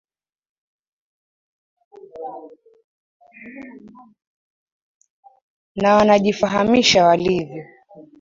na wananifahamisha walivyo